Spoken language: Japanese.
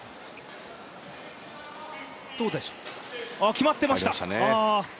決まっていました。